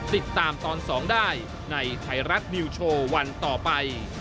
ติดตามตอน๒ได้ในไทยรัฐนิวโชว์วันต่อไป